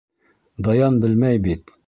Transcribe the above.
Даян белмәй бит.